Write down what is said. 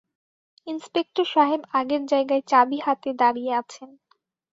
Inspector সাহেব আগের জায়গায় চাবি হাতে দাঁড়িয়ে আছেন।